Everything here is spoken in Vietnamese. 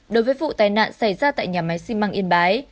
đối với vụ tai nạn xảy ra tại nhà máy xi măng yên bái